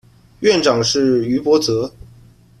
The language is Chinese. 院长是于博泽。